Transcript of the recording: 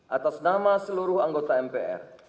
atas nama seluruh anggota mpr